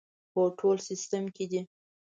هو، ټول سیسټم کې دي